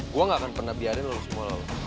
gue gak akan pernah biarin lolos semua lo